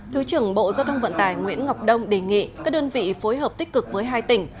thứ trưởng bộ giao thông vận tải nguyễn ngọc đông đề nghị các đơn vị phối hợp tích cực với hai tỉnh